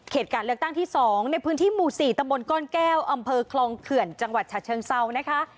การเลือกตั้งที่๒ในพื้นที่หมู่๔ตำบลก้อนแก้วอำเภอคลองเขื่อนจังหวัดฉะเชิงเซานะคะ